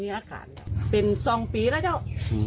อากาศเป็น๒ปีแล้วเจ้า